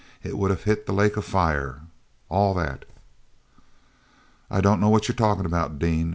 It would have hit the Lake of Fire—all that!" "I don't know what you are talking about, Dean."